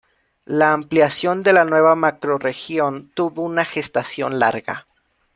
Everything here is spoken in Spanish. La ampliación de la nueva macrorregión tuvo una gestación larga.